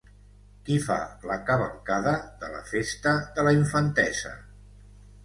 Qui fa la cavalcada de la Festa de la Infantesa?